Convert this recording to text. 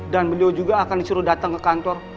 dan beliau juga akan disuruh datang ke kantor